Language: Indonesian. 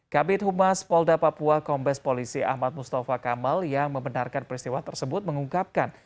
kabit humas polda papua kombes polisi ahmad mustafa kamal yang membenarkan peristiwa tersebut mengungkapkan